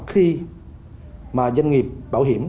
khi doanh nghiệp bảo hiểm